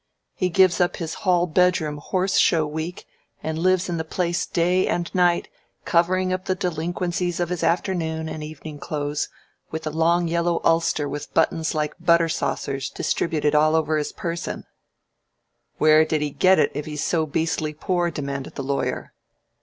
He gives up his hall bedroom Horse Show week and lives in the place day and night, covering up the delinquencies of his afternoon and evening clothes with a long yellow ulster with buttons like butter saucers distributed all over his person " "Where did he get it, if he's so beastly poor?" demanded the Lawyer.